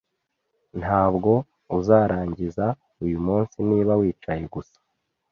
Ntabwo uzarangiza uyumunsi niba wicaye gusa